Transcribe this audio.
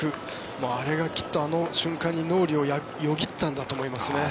あれがあの瞬間に脳裏をよぎったんだと思います。